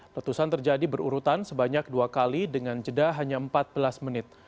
letusan terjadi berurutan sebanyak dua kali dengan jeda hanya empat belas menit